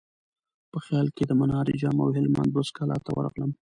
په خیال کې د منار جام او هلمند بست کلا ته ورغلم.